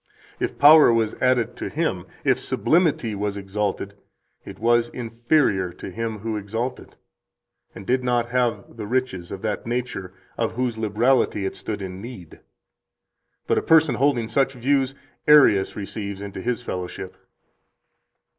If power was added to Him, if Sublimity was exalted, it was inferior to Him who exalted, and did not have the riches of that nature of whose liberality it stood in need. But a person holding such views Arius receives into his fellowship."